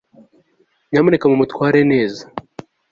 nyamuneka mumutware!neza